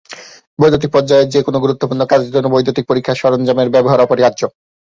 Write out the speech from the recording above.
বৈদ্যুতিক পর্যায়ের যে কোনো গুরুত্বপূর্ণ কাজের জন্য বৈদ্যুতিক পরীক্ষার সরঞ্জামের ব্যবহার অপরিহার্য।